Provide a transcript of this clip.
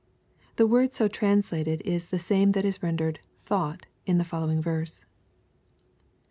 '] The word so translated is the same that ia rendered " thought" in the following verse.